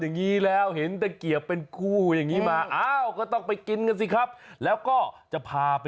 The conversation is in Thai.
งั้นคุณผู้ชม